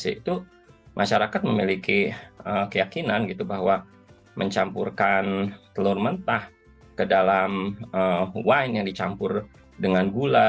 itu masyarakat memiliki keyakinan gitu bahwa mencampurkan telur mentah ke dalam wine yang dicampur dengan gula